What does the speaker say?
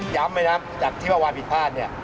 ย้ำเลยนะครับจากที่ว่าวายผิดพลาดนี่